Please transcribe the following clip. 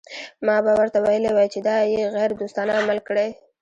ما به ورته ویلي وای چې دا یې غیر دوستانه عمل کړی.